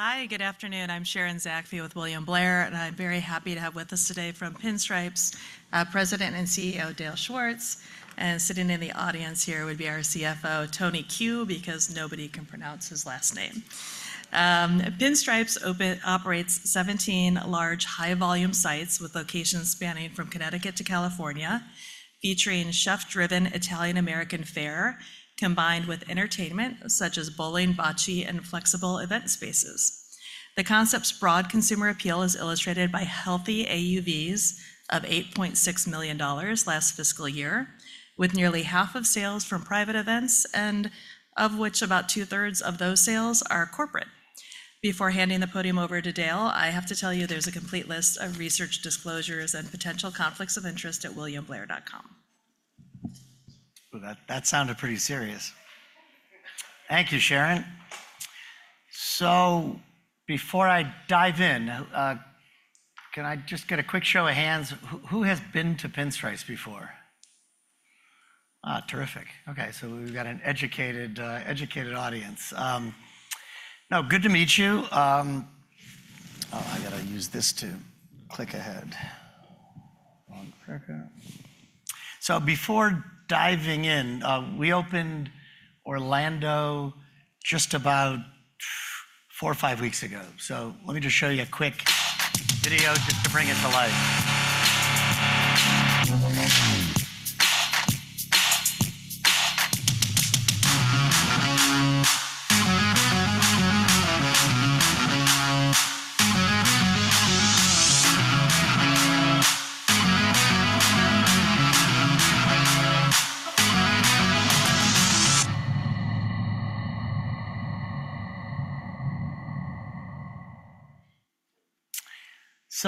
Hi, good afternoon. I'm Sharon Zackfia with William Blair, and I'm very happy to have with us today from Pinstripes, President and CEO, Dale Schwartz. Sitting in the audience here would be our CFO, Tony Qiu, because nobody can pronounce his last name. Pinstripes operates 17 large, high-volume sites with locations spanning from Connecticut to California, featuring chef-driven Italian-American fare, combined with entertainment, such as bowling, bocce, and flexible event spaces. The concept's broad consumer appeal is illustrated by healthy AUVs of $8.6 million last fiscal year, with nearly half of sales from private events, and of which about two-thirds of those sales are corporate. Before handing the podium over to Dale, I have to tell you, there's a complete list of research disclosures and potential conflicts of interest at williamblair.com. Well, that, that sounded pretty serious. Thank you, Sharon. So before I dive in, can I just get a quick show of hands, who has been to Pinstripes before? Ah, terrific. Okay, so we've got an educated audience. Now, good to meet you. Oh, I gotta use this to click ahead. Wrong clicker. So before diving in, we opened Orlando just about 4 or 5 weeks ago. So let me just show you a quick video just to bring it to life.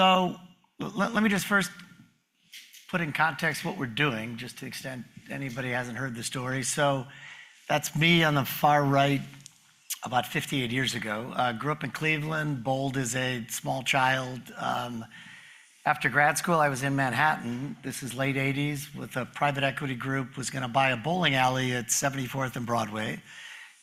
So let me just first put in context what we're doing, just to the extent anybody hasn't heard the story. So that's me on the far right, about 58 years ago. I grew up in Cleveland, bowled as a small child. After grad school, I was in Manhattan, this is late 1980s, with a private equity group, was gonna buy a bowling alley at 74th and Broadway.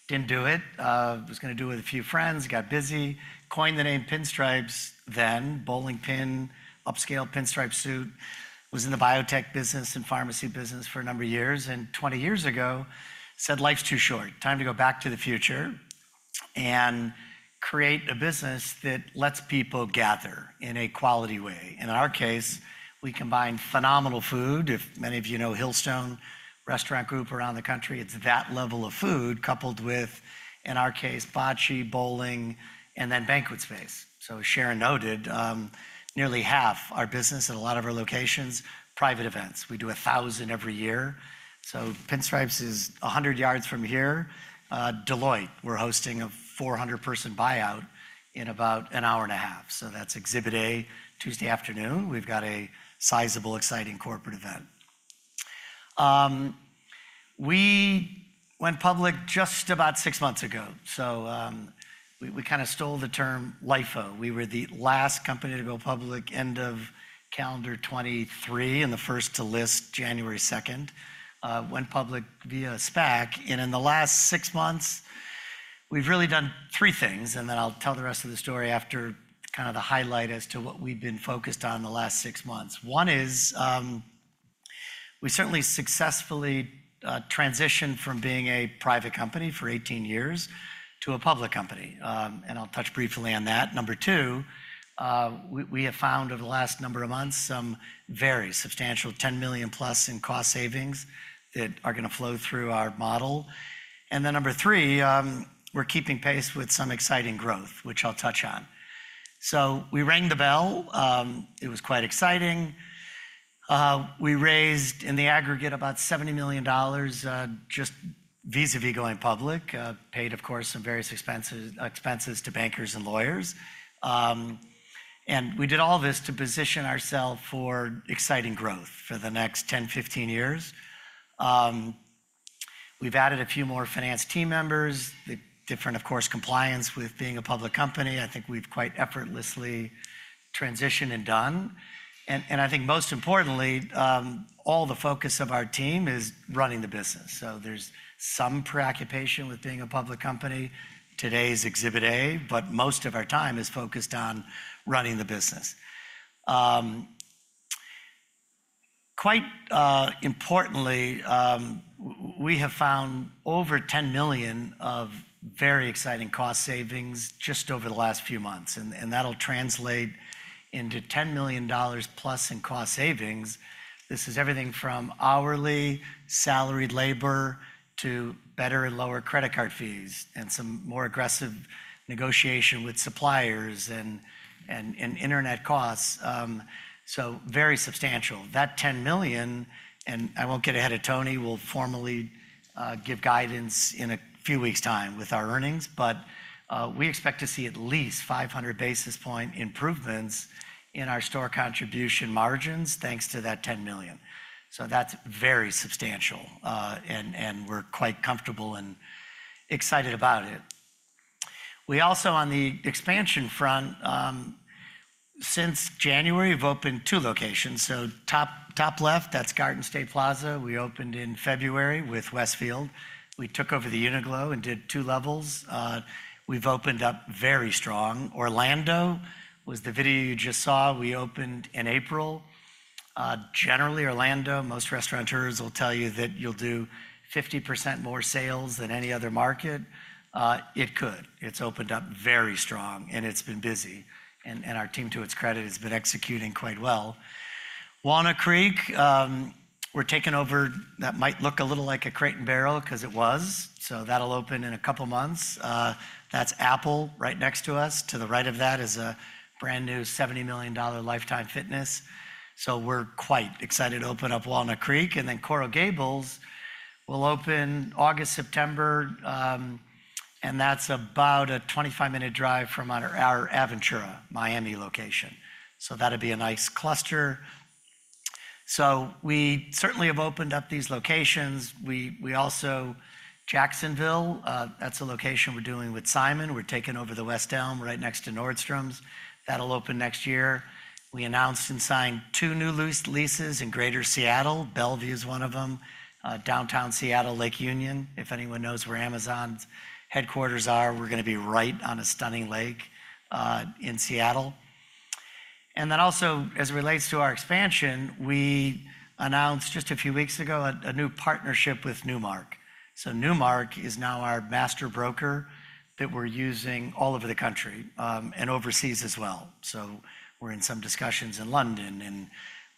Didn't do it. Was gonna do it with a few friends, got busy. Coined the name Pinstripes then, bowling pin, upscale pinstripe suit. Was in the biotech business and pharmacy business for a number of years, and 20 years ago, said, "Life's too short. Time to go back to the future and create a business that lets people gather in a quality way." In our case, we combine phenomenal food, if many of you know Hillstone Restaurant Group around the country, it's that level of food, coupled with, in our case, bocce, bowling, and then banquet space. So Sharon noted, nearly half our business at a lot of our locations, private events. We do 1,000 every year. So Pinstripes is 100 yards from here. Deloitte, we're hosting a 400-person buyout in about an hour and a half. So that's Exhibit A, Tuesday afternoon. We've got a sizable, exciting corporate event. We went public just about six months ago, so we kind of stole the term LIFO. We were the last company to go public, end of calendar 2023, and the first to list January 2nd. Went public via SPAC, and in the last six months, we've really done three things, and then I'll tell the rest of the story after kind of the highlight as to what we've been focused on the last six months. One is, we certainly successfully transitioned from being a private company for 18 years to a public company, and I'll touch briefly on that. Number two, we have found over the last number of months some very substantial $10 million plus in cost savings that are gonna flow through our model. And then number three, we're keeping pace with some exciting growth, which I'll touch on. So we rang the bell. It was quite exciting. We raised, in the aggregate, about $70 million just vis-a-vis going public. Paid, of course, some various expenses to bankers and lawyers. And we did all this to position ourselves for exciting growth for the next 10-15 years. We've added a few more finance team members. The difference, of course, compliance with being a public company. I think we've quite effortlessly transitioned and done. And I think most importantly, all the focus of our team is running the business. So there's some preoccupation with being a public company. Today's Exhibit A, but most of our time is focused on running the business. Quite importantly, we have found over 10 million of very exciting cost savings just over the last few months, and that'll translate into $10 million plus in cost savings. This is everything from hourly salaried labor to better and lower credit card fees and some more aggressive negotiation with suppliers and internet costs. So very substantial. That 10 million, and I won't get ahead of Tony, we'll formally give guidance in a few weeks' time with our earnings, but we expect to see at least 500 basis point improvements in our store contribution margins, thanks to that 10 million. So that's very substantial, and we're quite comfortable and excited about it. We also, on the expansion front,... Since January, we've opened 2 locations. So top, top left, that's Garden State Plaza. We opened in February with Westfield. We took over the Uniqlo and did 2 levels. We've opened up very strong. Orlando was the video you just saw. We opened in April. Generally, Orlando, most restaurateurs will tell you that you'll do 50% more sales than any other market. It could. It's opened up very strong, and it's been busy, and our team, to its credit, has been executing quite well. Walnut Creek, we're taking over-- That might look a little like a Crate & Barrel 'cause it was, so that'll open in a couple months. That's Apple right next to us. To the right of that is a brand-new $70 million Life Time, so we're quite excited to open up Walnut Creek. And then Coral Gables will open August, September, and that's about a 25-minute drive from our Aventura, Miami location, so that'll be a nice cluster. So we certainly have opened up these locations. We also Jacksonville, that's a location we're doing with Simon. We're taking over the West Elm right next to Nordstrom's. That'll open next year. We announced and signed two new leases in Greater Seattle. Bellevue is one of them. Downtown Seattle, Lake Union, if anyone knows where Amazon's headquarters are, we're gonna be right on a stunning lake in Seattle. And then also, as it relates to our expansion, we announced just a few weeks ago a new partnership with Newmark. So Newmark is now our master broker that we're using all over the country, and overseas as well. So we're in some discussions in London and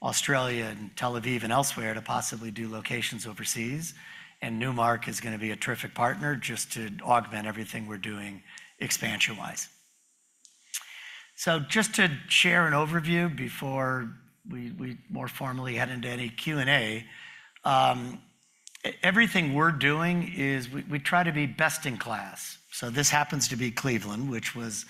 Australia and Tel Aviv and elsewhere to possibly do locations overseas, and Newmark is gonna be a terrific partner just to augment everything we're doing expansion-wise. So just to share an overview before we more formally head into any Q&A, everything we're doing is we try to be best in class. So this happens to be Cleveland, which was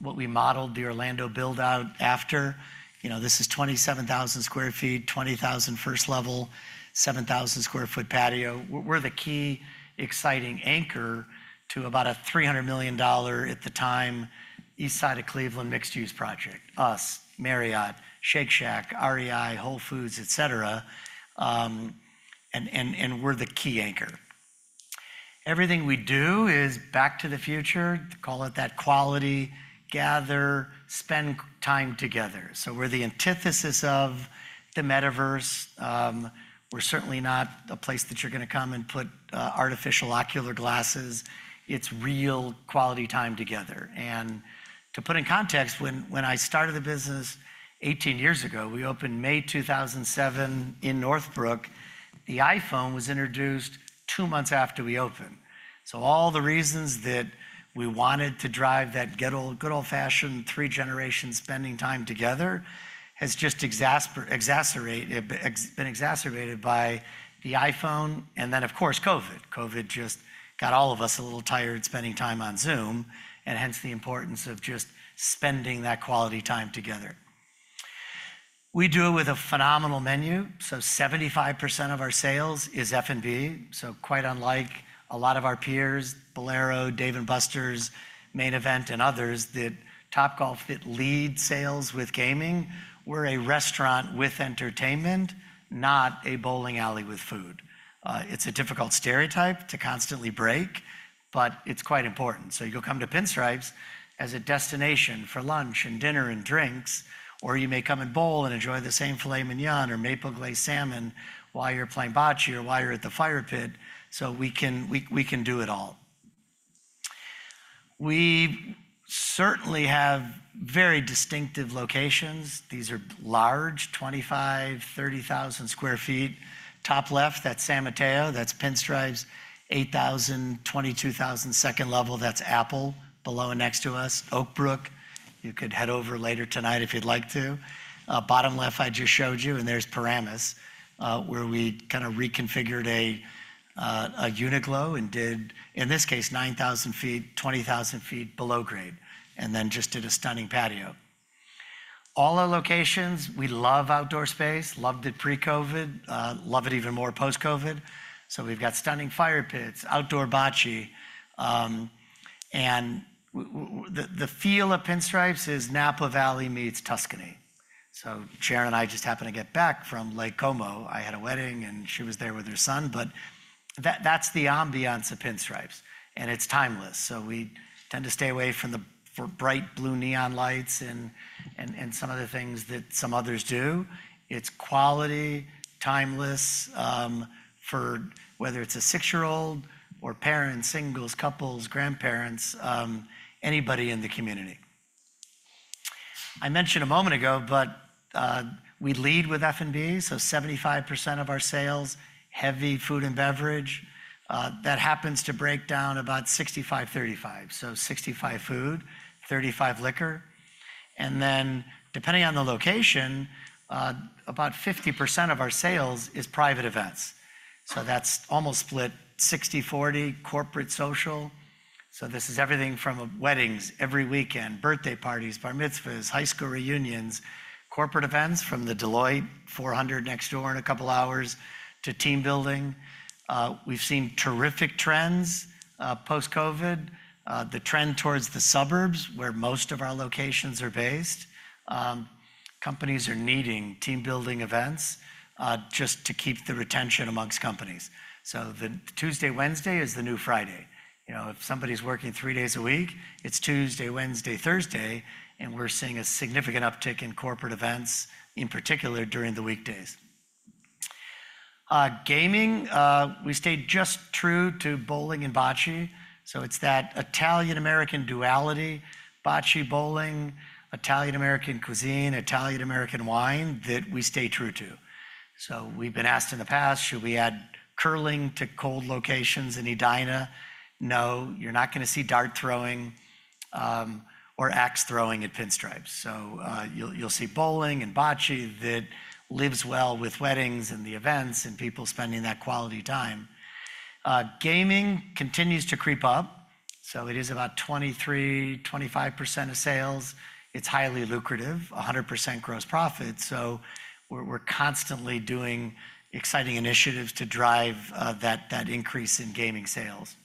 what we modeled the Orlando build-out after. You know, this is 27,000 sq ft, 20,000 sq ft first level, 7,000 sq ft patio. We're the key exciting anchor to about a $300 million, at the time, east side of Cleveland mixed-use project. Us, Marriott, Shake Shack, REI, Whole Foods, et cetera, and we're the key anchor. Everything we do is back to the future. Call it that quality, gather, spend time together, so we're the antithesis of the metaverse. We're certainly not a place that you're gonna come and put artificial Oculus glasses. It's real quality time together, and to put in context, when I started the business 18 years ago, we opened May 2007 in Northbrook. The iPhone was introduced 2 months after we opened, so all the reasons that we wanted to drive that good old-fashioned, three-generation spending time together has just been exacerbated by the iPhone and then, of course, COVID. COVID just got all of us a little tired spending time on Zoom, and hence, the importance of just spending that quality time together. We do it with a phenomenal menu, so 75% of our sales is F&B, so quite unlike a lot of our peers, Bowlero, Dave & Buster's, Main Event, and others, that Topgolf, it leads sales with gaming. We're a restaurant with entertainment, not a bowling alley with food. It's a difficult stereotype to constantly break, but it's quite important. So you'll come to Pinstripes as a destination for lunch and dinner and drinks, or you may come and bowl and enjoy the same filet mignon or maple-glazed salmon while you're playing bocce or while you're at the fire pit. So we can, we, we can do it all. We certainly have very distinctive locations. These are large, 25-30 thousand sq ft. Top left, that's San Mateo. That's Pinstripes, 8,000, 22,000. Second level, that's Apple below and next to us. Oak Brook, you could head over later tonight if you'd like to. Bottom left, I just showed you, and there's Paramus, where we kind of reconfigured a Uniqlo and did, in this case, 9,000 sq ft, 20,000 sq ft below grade, and then just did a stunning patio. All our locations, we love outdoor space, loved it pre-COVID, love it even more post-COVID, so we've got stunning fire pits, outdoor bocce, and the feel of Pinstripes is Napa Valley meets Tuscany. So Sharon and I just happened to get back from Lake Como. I had a wedding, and she was there with her son, but that's the ambiance of Pinstripes, and it's timeless. So we tend to stay away from bright blue neon lights and some of the things that some others do. It's quality, timeless, for whether it's a six-year-old or parent, singles, couples, grandparents, anybody in the community. I mentioned a moment ago, but we lead with F&B, so 75% of our sales, heavy food and beverage. That happens to break down about 65/35, so 65 food, 35 liquor, and then depending on the location, about 50% of our sales is private events... So that's almost split 60/40, corporate/social. So this is everything from weddings every weekend, birthday parties, bar mitzvahs, high school reunions, corporate events from the Deloitte 400 next door in a couple of hours, to team building. We've seen terrific trends post-COVID. The trend towards the suburbs, where most of our locations are based. Companies are needing team-building events just to keep the retention amongst companies. So the Tuesday, Wednesday is the new Friday. You know, if somebody's working three days a week, it's Tuesday, Wednesday, Thursday, and we're seeing a significant uptick in corporate events, in particular during the weekdays. Gaming, we stayed just true to bowling and bocce, so it's that Italian-American duality, bocce, bowling, Italian-American cuisine, Italian-American wine, that we stay true to. So we've been asked in the past, should we add curling to cold locations in Edina? No, you're not gonna see dart throwing, or axe throwing at Pinstripes. So, you'll see bowling and bocce that lives well with weddings and the events and people spending that quality time. Gaming continues to creep up, so it is about 23%-25% of sales. It's highly lucrative, 100% gross profit, so we're constantly doing exciting initiatives to drive that increase in gaming sales.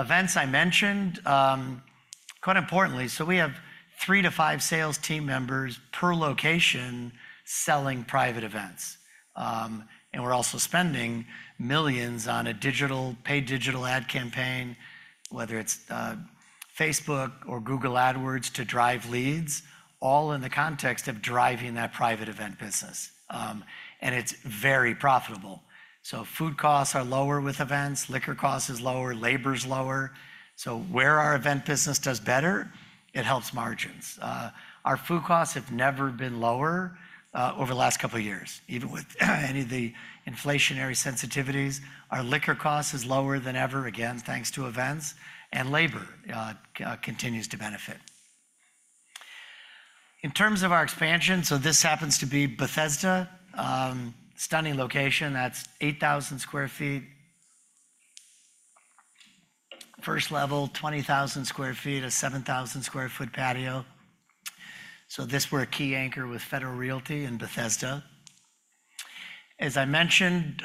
Events I mentioned, quite importantly, so we have 3-5 sales team members per location selling private events. And we're also spending $millions on a digital-paid digital ad campaign, whether it's, Facebook or Google AdWords to drive leads, all in the context of driving that private event business. And it's very profitable. So food costs are lower with events, liquor cost is lower, labor is lower. So where our event business does better, it helps margins. Our food costs have never been lower, over the last couple of years, even with any of the inflationary sensitivities. Our liquor cost is lower than ever, again, thanks to events, and labor continues to benefit. In terms of our expansion, so this happens to be Bethesda. Stunning location, that's 8,000 sq ft. First level, 20,000 sq ft, a 7,000 sq ft patio. So this we're a key anchor with Federal Realty in Bethesda. As I mentioned,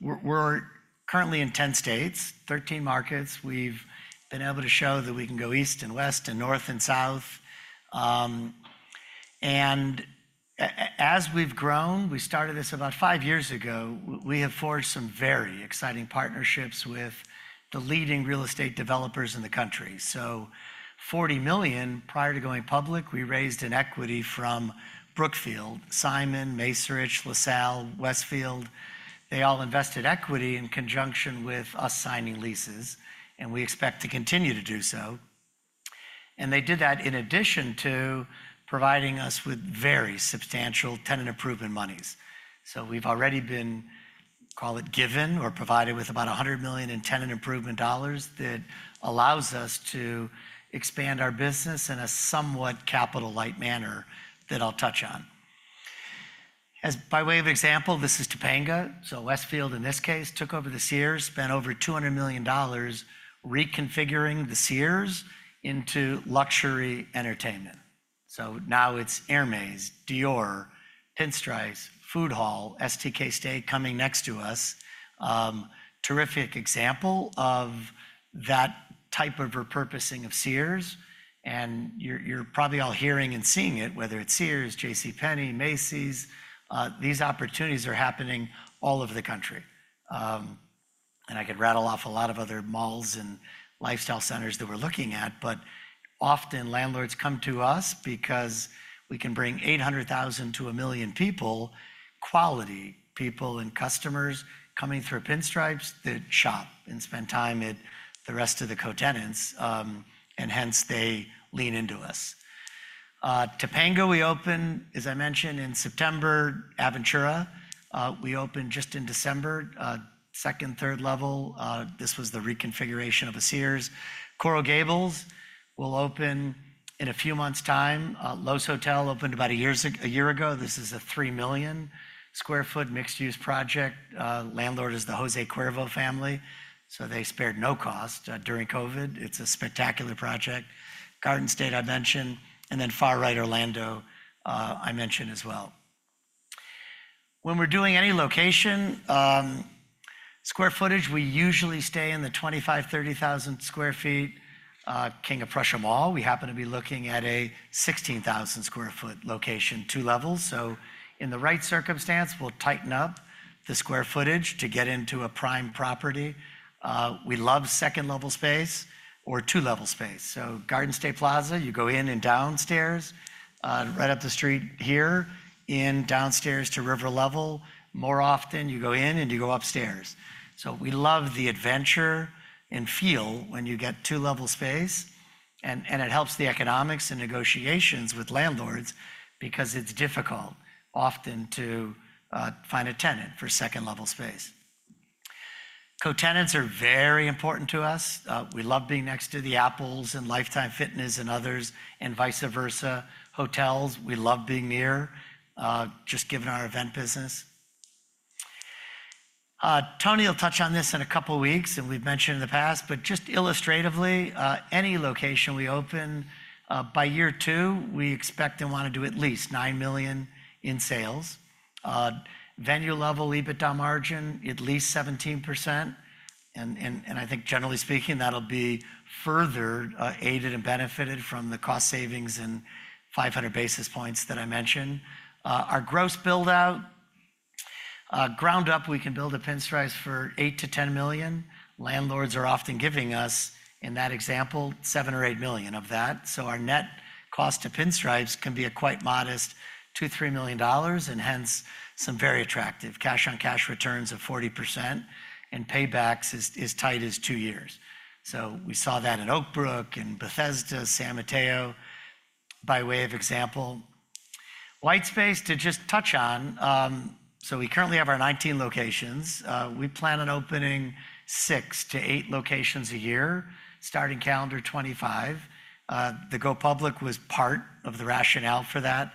we're currently in 10 states, 13 markets. We've been able to show that we can go east and west and north and south. And as we've grown, we started this about 5 years ago, we have forged some very exciting partnerships with the leading real estate developers in the country. So $40 million, prior to going public, we raised an equity from Brookfield, Simon, Macerich, LaSalle, Westfield. They all invested equity in conjunction with us signing leases, and we expect to continue to do so. And they did that in addition to providing us with very substantial tenant improvement monies. So we've already been, call it, given or provided with about $100 million in tenant improvement dollars that allows us to expand our business in a somewhat capital-light manner that I'll touch on. As by way of example, this is Topanga. So Westfield, in this case, took over the Sears, spent over $200 million reconfiguring the Sears into luxury entertainment. So now it's Hermès, Dior, Pinstripes, Food Hall, STK Steak coming next to us. Terrific example of that type of repurposing of Sears, and you're probably all hearing and seeing it, whether it's Sears, JCPenney, Macy's, these opportunities are happening all over the country. I could rattle off a lot of other malls and lifestyle centers that we're looking at, but often landlords come to us because we can bring 800,000-1 million people, quality people and customers, coming through Pinstripes that shop and spend time at the rest of the co-tenants, and hence they lean into us. Topanga, we opened, as I mentioned, in September. Aventura, we opened just in December, second, third level. This was the reconfiguration of a Sears. Coral Gables will open in a few months' time. Loews Hotel opened about a year ago. This is a 3 million sq ft mixed-use project. Landlord is the Jose Cuervo family, so they spared no cost, during COVID. It's a spectacular project. Garden State, I mentioned, and then far right, Orlando, I mentioned as well. When we're doing any location, square footage, we usually stay in the 25,000-30,000 sq ft. King of Prussia Mall, we happen to be looking at a 16,000 sq ft location, two levels. So in the right circumstance, we'll tighten up the square footage to get into a prime property. We love second-level space or two-level space. So Garden State Plaza, you go in and downstairs, right up the street here in downstairs to river level. More often, you go in and you go upstairs. So we love the adventure and feel when you get two-level space, and it helps the economics and negotiations with landlords because it's difficult often to find a tenant for second-level space. Co-tenants are very important to us. We love being next to the Apples and Life Time and others, and vice versa. Hotels, we love being near, just given our event business. Tony will touch on this in a couple of weeks, and we've mentioned in the past, but just illustratively, any location we open, by year two, we expect and want to do at least $9 million in sales. Venue-level EBITDA margin, at least 17%, and I think generally speaking, that'll be further aided and benefited from the cost savings and 500 basis points that I mentioned. Our gross build-out, ground up, we can build a Pinstripes for $8 million-$10 million. Landlords are often giving us, in that example, $7 million or $8 million of that. So our net cost to Pinstripes can be a quite modest $2 million-$3 million, and hence, some very attractive cash-on-cash returns of 40%, and paybacks as tight as two years. So we saw that in Oak Brook, in Bethesda, San Mateo, by way of example. White space, to just touch on, so we currently have our 19 locations. We plan on opening 6-8 locations a year, starting calendar 2025. The go public was part of the rationale for that,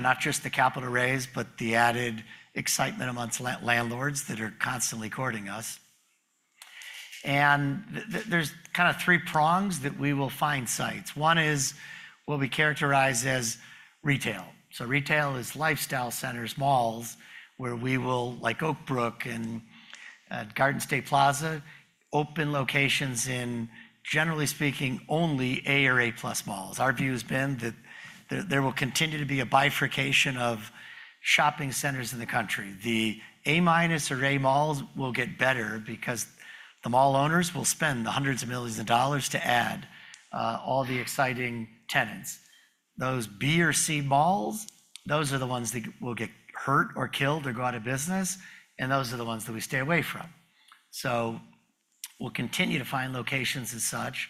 not just the capital raise, but the added excitement amongst landlords that are constantly courting us. And there's kind of three prongs that we will find sites. One is what we characterize as retail. So retail is lifestyle centers, malls, where we will, like Oak Brook and, Garden State Plaza, open locations in, generally speaking, only A or A-plus malls. Our view has been that there, there will continue to be a bifurcation of shopping centers in the country. The A-minus or A malls will get better because the mall owners will spend hundreds of millions of dollars to add all the exciting tenants. Those B or C malls, those are the ones that will get hurt or killed or go out of business, and those are the ones that we stay away from. We'll continue to find locations as such.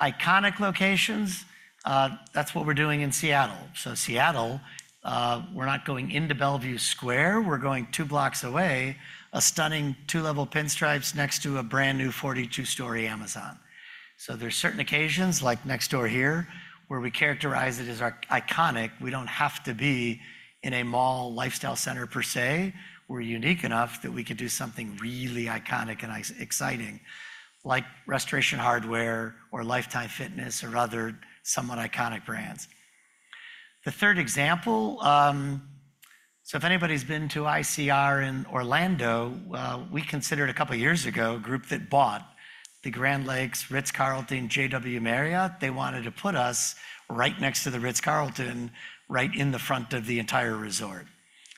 Iconic locations, that's what we're doing in Seattle. Seattle, we're not going into Bellevue Square, we're going 2 blocks away, a stunning 2-level Pinstripes next to a brand-new 42-story Amazon. There's certain occasions, like next door here, where we characterize it as iconic. We don't have to be in a mall lifestyle center per se. We're unique enough that we could do something really iconic and exciting, like Restoration Hardware or Life Time Fitness or other somewhat iconic brands. The third example. So if anybody's been to ICR in Orlando, we considered a couple of years ago, a group that bought the Grande Lakes Ritz-Carlton JW Marriott. They wanted to put us right next to the Ritz-Carlton, right in the front of the entire resort.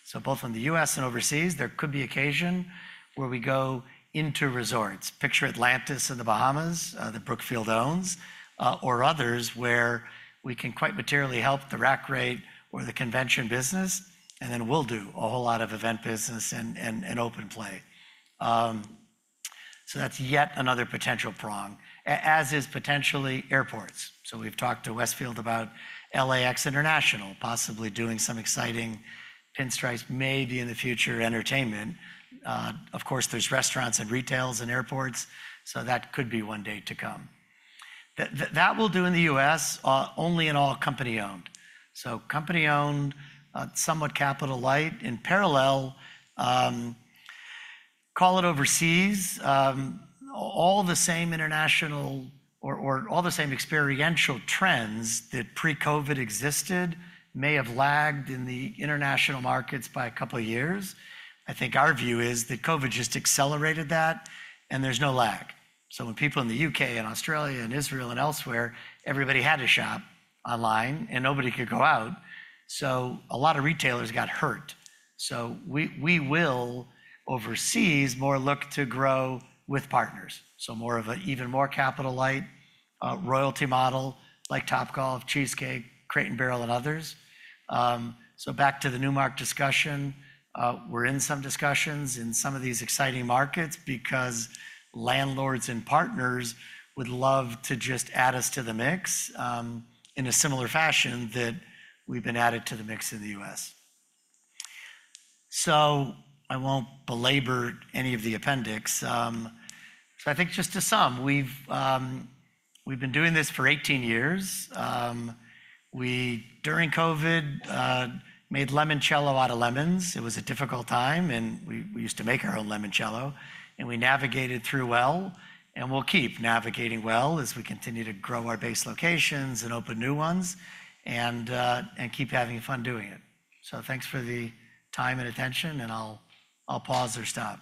So both in the US and overseas, there could be occasion where we go into resorts. Picture Atlantis in the Bahamas, that Brookfield owns, or others where we can quite materially help the rack rate or the convention business, and then we'll do a whole lot of event business and open play. So that's yet another potential prong, as is potentially airports. So we've talked to Westfield about LAX International, possibly doing some exciting Pinstripes, maybe in the future, entertainment. Of course, there's restaurants and retail in airports, so that could be one day to come. That we'll do in the U.S., only in all company-owned. So company-owned, somewhat capital-light. In parallel, call it overseas, all the same international or all the same experiential trends that pre-COVID existed may have lagged in the international markets by a couple of years. I think our view is that COVID just accelerated that, and there's no lag. So when people in the U.K. and Australia and Israel and elsewhere, everybody had to shop online and nobody could go out, so a lot of retailers got hurt. So we will, overseas, more look to grow with partners, so more of an even more capital-light, royalty model like Topgolf, Cheesecake, Crate & Barrel, and others. So back to the Newmark discussion, we're in some discussions in some of these exciting markets because landlords and partners would love to just add us to the mix, in a similar fashion that we've been added to the mix in the U.S. So I won't belabor any of the appendix. So I think just to sum, we've, we've been doing this for 18 years. We, during COVID, made limoncello out of lemons. It was a difficult time, and we, we used to make our own limoncello, and we navigated through well, and we'll keep navigating well as we continue to grow our base locations and open new ones and, and keep having fun doing it. So thanks for the time and attention, and I'll, I'll pause or stop.